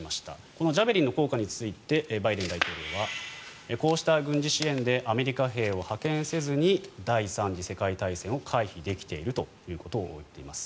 このジャベリンの効果についてバイデン大統領はこうした軍事支援でアメリカ兵を派遣せずに第３次世界大戦を回避できているということを言っています。